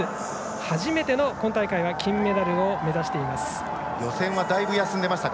初めての、今大会金メダルを目指しています。